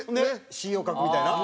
詞を書くみたいな？